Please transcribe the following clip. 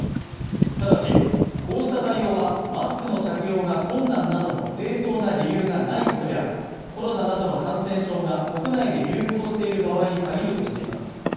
ただしこうした対応はマスクの着用が困難などの正当な理由がないことやコロナなどの感染症が国内で流行している場合に限るとしています